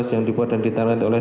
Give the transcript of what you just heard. yang dibuat dan ditangani oleh